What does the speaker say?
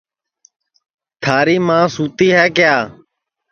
تھاری ماں سُتی ہے کیا